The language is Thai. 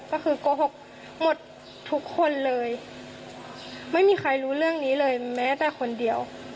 ก็คือโกหกหมดทุกคนเลยไม่มีใครรู้เรื่องนี้เลยแม้แต่คนเดียว